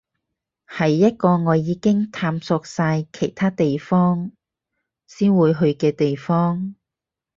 係一個我已經探索晒其他地方先會去嘅地方